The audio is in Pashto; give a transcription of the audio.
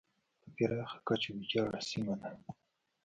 په پراخه کچه ویجاړه سیمه ده.